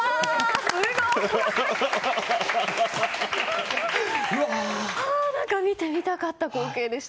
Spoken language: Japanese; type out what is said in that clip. すごい！見てみたかった光景でした。